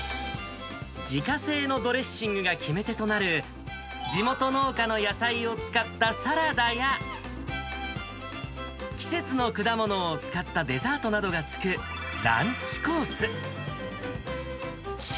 自家製のドレッシングが決め手となる、地元農家の野菜を使ったサラダや、季節の果物を使ったデザートなどがつくランチコース。